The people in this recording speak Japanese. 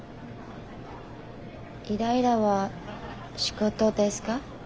イライラは仕事ですか？